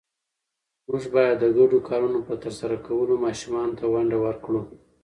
موږ باید د ګډو کارونو په ترسره کولو ماشومانو ته ونډه ورکړو